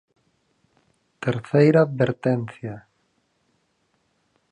Terceira advertencia.